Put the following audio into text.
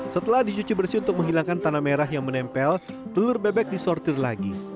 setelah dicuci bersih untuk menghilangkan tanah merah yang menempel telur bebek disortir lagi